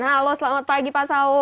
halo selamat pagi pak saud